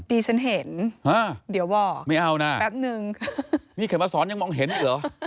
ดิฉันเห็นฮะเดี๋ยวบอกไม่เอานะแป๊บนึงนี่เข็มมาสอนยังมองเห็นอีกเหรอ